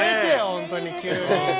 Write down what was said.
本当に急に。